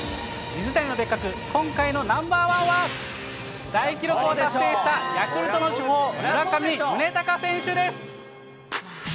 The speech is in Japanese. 水谷のベッカク、今回のＮｏ．１は、大記録を達成したヤクルトの主砲、村上宗隆選手です。